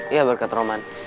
iya berkat roman